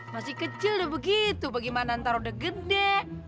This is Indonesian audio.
masih kecil udah begitu bagaimana ntar udah gede